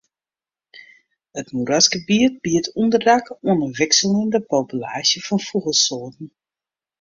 It moerasgebiet biedt ûnderdak oan in wikseljende populaasje fan fûgelsoarten.